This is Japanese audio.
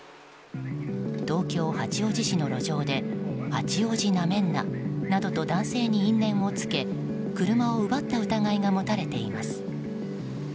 東京・八王子市の路上で八王子なめんななどと男性に因縁をつけ車を奪った疑いが持たれています。